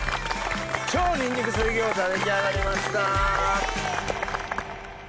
超ニンニク水餃子出来上がりました。